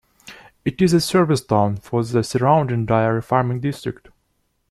It is a service town for the surrounding dairy farming district.